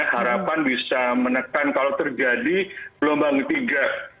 harapan bisa menekan kalau terjadi gelombang ketiga